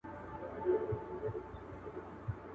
الاهو دي نازولي دي غوږونه؟ ,